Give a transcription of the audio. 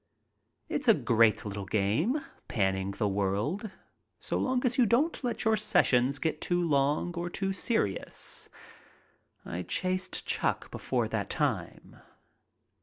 It's a great little game panning the world so long as you don't let your sessions get too long or too serious. I chased Chuck before that time.